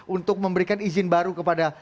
untuk memberikan izin baru kepada